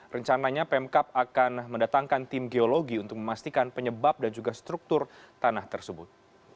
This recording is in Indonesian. rencananya pemkap akan mendatangkan tim geologi untuk memastikan penyebab dan juga struktur tanah tersebut